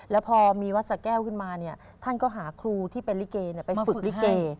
แล้วพอมีวัดสะแก้วขึ้นมาเนี่ยท่านก็หาครูที่เป็นลิเกไปฝึกลิเก